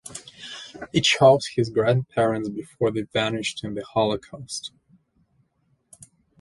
It shows his grandparents before they vanished in the Holocaust.